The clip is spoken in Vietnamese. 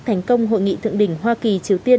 thành công hội nghị thượng đỉnh hoa kỳ triều tiên